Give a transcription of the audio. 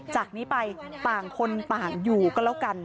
จากนี้ไปต่างคนต่างอยู่ก็แล้วกัน